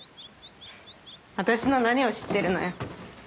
フッ私の何を知ってるのよ。